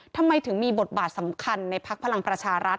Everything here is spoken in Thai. ทำไมถึงมีบทบาทสำคัญในพักพลังประชารัฐ